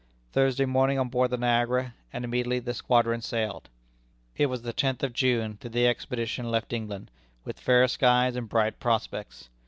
Thursday morning on board the Niagara, and immediately the squadron sailed. It was the tenth day of June that the expedition left England, with fair skies and bright prospects.